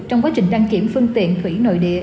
trong quá trình đăng kiểm phương tiện thủy nội địa